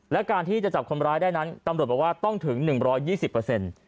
และการที่จะจับคนร้ายได้นั้นตำรวจบอกว่าต้องถึง๑๒๐เปอร์เซ็นต์